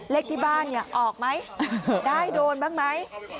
เลขที่บ้านเนี่ยออกไหมได้โดนบ้างไหม